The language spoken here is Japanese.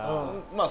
まあ